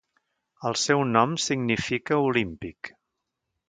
El seu nom significa Olímpic.